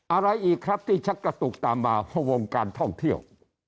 อะไรอีกครับที่ชักกระตุกตามมาเพราะวงการท่องเที่ยว